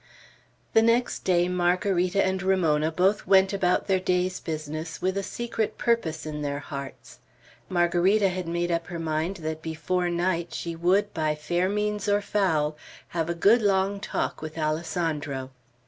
The next day Margarita and Ramona both went about their day's business with a secret purpose in their hearts. Margarita had made up her mind that before night she would, by fair means or foul, have a good long talk with Alessandro.